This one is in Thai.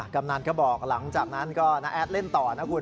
กำนันก็บอกหลังจากนั้นก็น้าแอดเล่นต่อนะคุณ